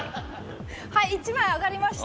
はい１枚揚がりました。